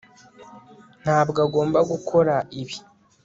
Ntabwo agomba gukora ibi